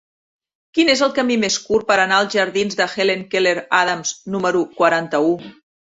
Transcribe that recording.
Quin és el camí més curt per anar als jardins de Helen Keller Adams número quaranta-u?